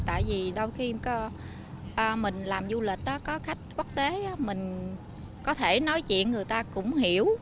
tại vì đôi khi mình làm du lịch có khách quốc tế mình có thể nói chuyện người ta cũng hiểu